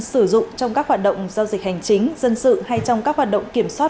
sử dụng trong các hoạt động giao dịch hành chính dân sự hay trong các hoạt động kiểm soát